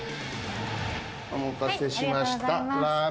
お待たせしました。